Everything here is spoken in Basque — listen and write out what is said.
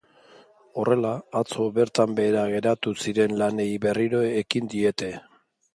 Horrela, atzo bertan behera geratu ziren lanei berriro ekin diete.